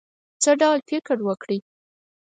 څه ډول فکر وکړی.